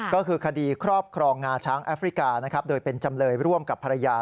ก็คือคดีครอบครองงาช้างแอฟริกานะครับโดยเป็นจำเลยร่วมกับภรรยา